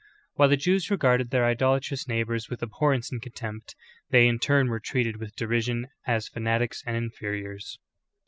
While the Jews regarded their idol atrous neighbors with abhorrence and contempt, th^y in turn were treated with derision as fanatics and inferiors.